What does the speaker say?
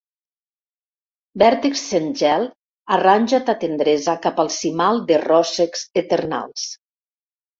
Vèrtex sens gel, arranja ta tendresa cap al cimal de ròssecs eternals.